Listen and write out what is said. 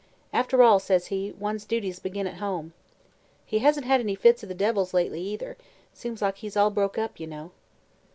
After all,' says he, 'one's duties begin at home.' He hasn't had any fits of the devils lately, either. Seems like he's all broke up, you know."